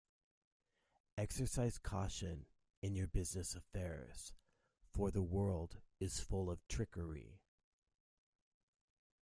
Exercise caution in your business affairs, for the world is full of trickery.